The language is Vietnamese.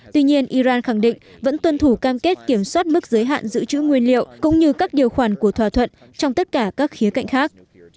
tuy nhiên iran khẳng định vẫn tuân thủ cam kết kiểm soát mức giới hạn giữ chữ nguyên liệu cũng như các điều khoản của thỏa thuận trong tất cả các khía cạnh khác